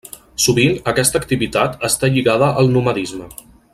Sovint aquesta activitat està lligada al nomadisme.